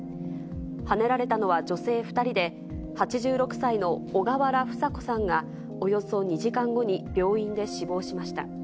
はねられたのは女性２人で、８６歳の小河原房子さんがおよそ２時間後に病院で死亡しました。